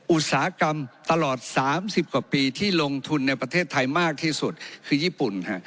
อุตสาหกรรมตลอด๓๐กว่าปีที่ลงทุนในประเทศไทยมากที่สุดคือญี่ปุ่น